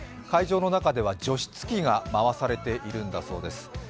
会場の中では除湿器が回されているんだそうです。